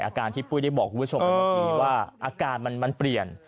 อาการที่ปุ๊ยได้บอกคุณผู้ชมว่าอาการมันเปลี่ยน